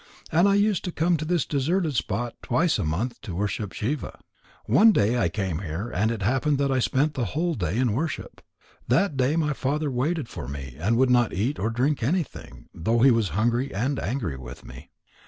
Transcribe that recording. And I used to come to this deserted spot twice a month to worship Shiva. "One day I came here and it happened that I spent the whole day in worship. That day my father waited for me and would not eat or drink anything, though he was hungry and angry with me.